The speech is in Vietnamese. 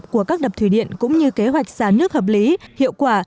các cơ quan chức năng các đập thủy điện cũng như kế hoạch giá nước hợp lý hiệu quả